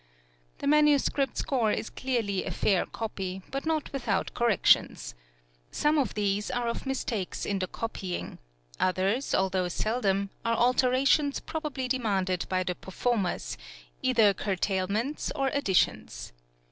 The manuscript score is clearly a fair copy, but not without corrections. Some of these are of mistakes in the copying; others, although seldom, are alterations probably demanded by the performers, either curtailments or additions.